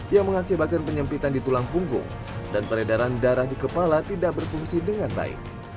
yang mengakibatkan penyempitan di tulang punggung dan peredaran darah di kepala tidak berfungsi dengan baik